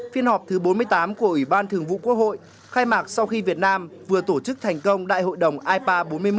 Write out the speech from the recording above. phiên họp thứ bốn mươi tám của ủy ban thường vụ quốc hội khai mạc sau khi việt nam vừa tổ chức thành công đại hội đồng ipa bốn mươi một